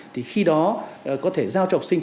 thì khi đó có thể giao cho học sinh